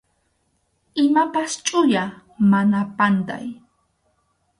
Imapas chʼuya, mana pantay.